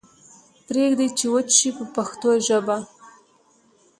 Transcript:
پریږدئ چې وچ شي په پښتو ژبه.